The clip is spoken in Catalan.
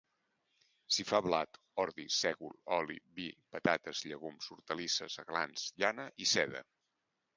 S'hi fa blat, ordi, sègol, oli, vi, patates, llegums, hortalisses, aglans, llana i seda.